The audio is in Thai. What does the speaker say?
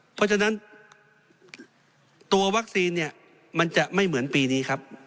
เพราะฉะนั้นตัววัคซีนเนี่ยมันจะไม่เหมือนปีนี้ครับ